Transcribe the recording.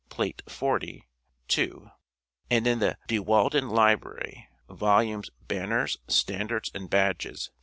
plate 40,2) and in the " De Walden Library " (vol. Banners, Standards and Badges, p.